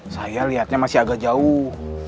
saya lihatnya masih agak jauh